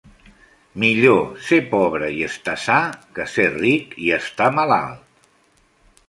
Millor ser pobre i estar sa que ser ric i estar malalt.